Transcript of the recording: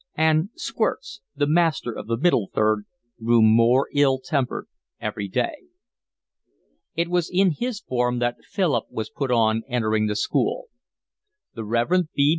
And Squirts, the master of the Middle Third, grew more ill tempered every day. It was in his form that Philip was put on entering the school. The Rev. B.